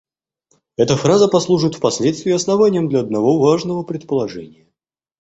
Эта фраза послужит впоследствии основанием для одного важного предположения.